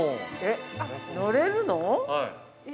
◆乗れるの？